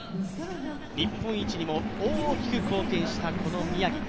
日本一にも大きく貢献したこの宮城。